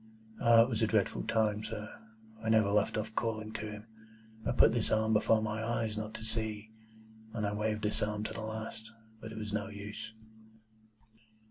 "Ah! it was a dreadful time, sir. I never left off calling to him. I put this arm before my eyes not to see, and I waved this arm to the last; but it was no use."